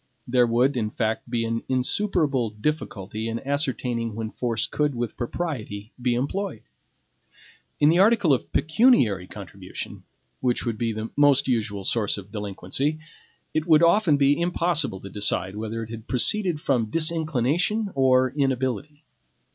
There would, in fact, be an insuperable difficulty in ascertaining when force could with propriety be employed. In the article of pecuniary contribution, which would be the most usual source of delinquency, it would often be impossible to decide whether it had proceeded from disinclination or inability.